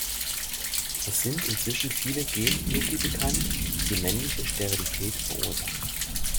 Es sind inzwischen viele Gen-Loci bekannt, die männliche Sterilität verursachen.